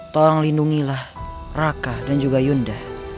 tolong lindungilah raka dan juga yunda